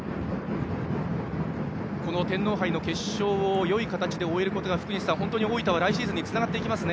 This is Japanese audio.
この天皇杯の決勝をよい形で終えることが福西さん、本当に大分は来シーズンにつながりますね。